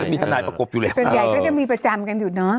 มีทนายประกบอยู่แล้วส่วนใหญ่ก็จะมีประจำกันอยู่เนอะ